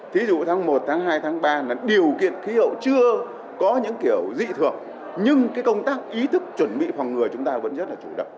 tháng hai tháng ba điều kiện khí hậu chưa có những kiểu dị thường nhưng công tác ý thức chuẩn bị phòng người chúng ta vẫn rất là chủ động